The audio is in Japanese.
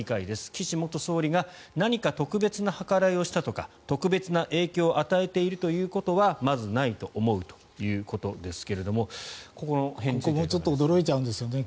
岸元総理が何か特別な計らいをしただとか特別な影響を与えているということはまずないと思うということですがちょっと驚いちゃうんですね。